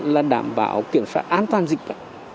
là đảm bảo kiểm soát an toàn dịch bệnh